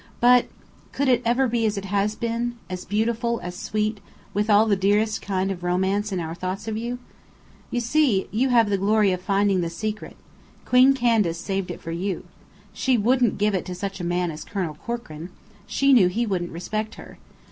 But could it ever be as it has been as beautiful, as sweet, with all the dearest kind of romance in our thoughts of you? You see, you have the glory of finding the secret. Queen Candace saved it for you. She wouldn't give it to such a man as Colonel Corkran. She knew he wouldn't respect her.